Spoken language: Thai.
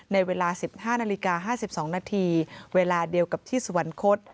ในเวลา๑๕นาฬิกา๕๒นาทีเวลาเดียวกับที่สวรรคต